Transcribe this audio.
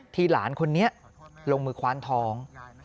หลานคนนี้ลงมือคว้านท้อง